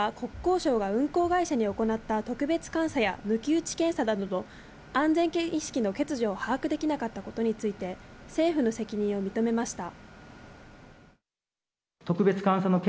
岸田総理は国交省が運航会社に行った特別監査や抜き打ち検査などで安全意識の欠如を把握できなかったことについて、政府の責任を認めました。